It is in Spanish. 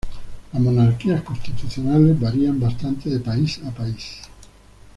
Las monarquías constitucionales varían bastante de país a país.